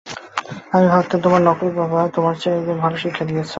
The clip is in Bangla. আমি ভাবতাম তোমার নকল বাবা তোমাকে এর চেয়ে ভালো শিক্ষা দিয়েছে।